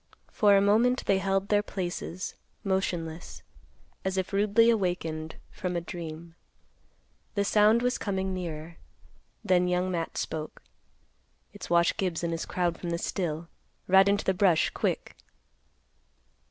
For a moment they held their places, motionless, as if rudely awakened from a dream. The sound was coming nearer. Then Young Matt spoke, "It's Wash Gibbs and his crowd from the still. Ride into the brush quick."